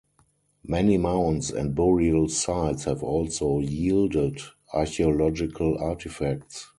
Many mounds and burial sites have also yielded archaeological artifacts.